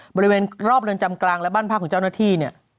บริเวณรอบเรือนจำกลางและบ้านพักของเจ้าหน้าที่เนี่ย